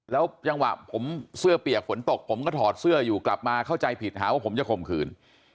แล้วจังหวะผมเสื้อเปียกฝนตกผมก็ถอดเสื้ออยู่กลับมาเข้าใจผิดหาว่าผมจะข่มขืน